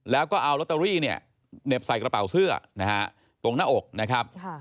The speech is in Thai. แล้วก็เอาโรตเตอรี่เน็บใส่กระเป๋าเสื้อตรงหน้าอกนะครับ